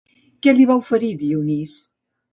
Què li va oferir Dionís?